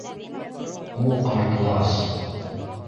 У, ҡартлас...